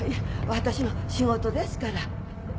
わたしの仕事ですから。